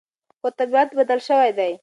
خو طبیعت بدل شوی دی.